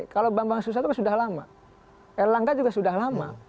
kalau bambang susatyo sudah lama erlangga juga sudah lama